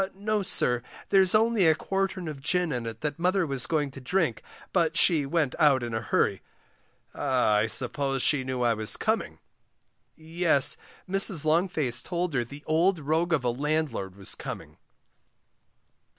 No, sir, there's only a quartern of gin in it that mother was going to drink, but she went out in a hurry. Ah, I suppose she knew I was coming. Yes, Mrs. Longface told her the old rogue of a landlord was coming.